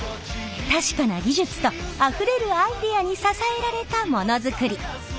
確かな技術とあふれるアイデアに支えられたモノづくり。